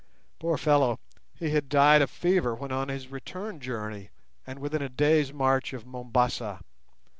Poor fellow, he had died of fever when on his return journey, and within a day's march of Mombasa.